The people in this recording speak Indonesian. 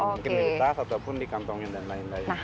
mungkin di tas ataupun di kantongin dan lain lain